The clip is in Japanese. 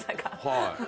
はい。